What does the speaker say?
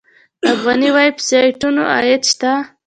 د افغاني ویب سایټونو عاید شته؟